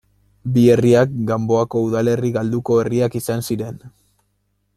Bi herriak Ganboako udalerri galduko herriak izan ziren.